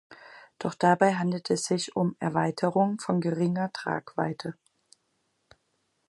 Doch dabei handelt es sich um Erweiterungen von geringer Tragweite.